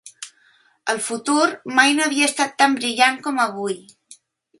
El futur mai no ha estat tan brillant com avui.